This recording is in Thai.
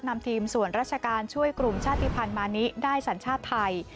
นำทีมส่วนราชการช่วยกลุ่มชาติภัณฑ์มานิได้สัญชาติไทย